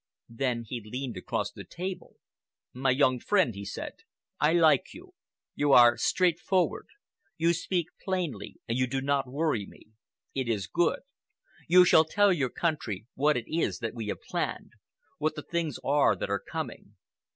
Then he leaned across the table. 'My young friend,' he said, 'I like you. You are straightforward. You speak plainly and you do not worry me. It is good. You shall tell your country what it is that we have planned, what the things are that are coming.